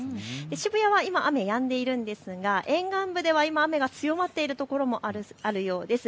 渋谷は今、雨やんでいるんですが沿岸部では今、雨が強まっているところもあるようです。